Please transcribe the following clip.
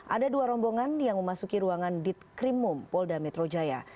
ada dua rombongan yang memasuki ruangan ditkrimum polda metro jaya